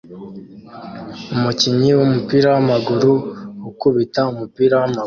Umukinnyi wumupira wamaguru ukubita umupira wamaguru